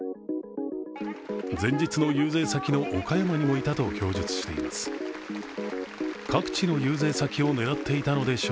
前日の遊説先の岡山にもいたと供述しているといいます。